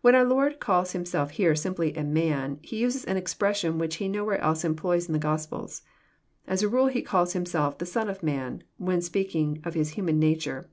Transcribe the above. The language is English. When our Lord calls Himself here simply " a man," He uses an expression which He nowhere else employs in the Gospels. As a rule. He calls Himself " the Son of man," when speaking of His human nature.